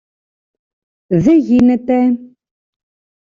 Δε γίνεται!